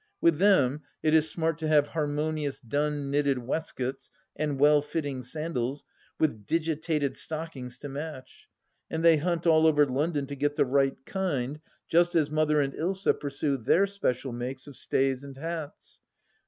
With them it is smart to have harmonious dun knitted waistcoats and well fitting sandals with digitated stockings to match, and they hunt all over London to get the right kind, just as Mother and Ilsa pursue their special makes of stays and hats.